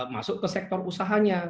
masuk ke sektor usahanya